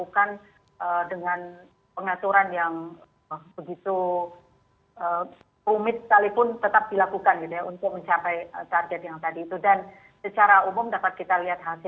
kemudian diatur jadwal one way